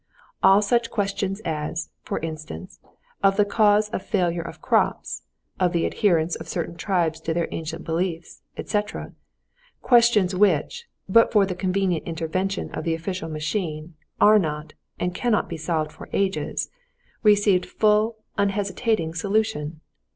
All such questions as, for instance, of the cause of failure of crops, of the adherence of certain tribes to their ancient beliefs, etc.—questions which, but for the convenient intervention of the official machine, are not, and cannot be solved for ages—received full, unhesitating solution.